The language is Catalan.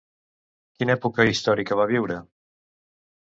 Quina època històrica va viure?